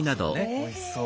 おいしそう。